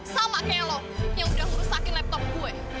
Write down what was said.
sama kayak lo yang udah merusakin laptop gue